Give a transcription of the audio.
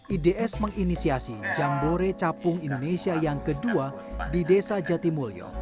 ids menginisiasi jambore capung indonesia yang kedua di desa jatimulyo